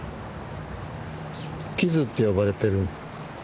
キズって呼ばれてる。